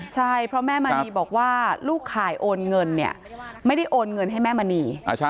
ใช่เพราะแม่มณีบอกว่าลูกขายโอนเงินเนี่ยไม่ได้โอนเงินให้แม่มณี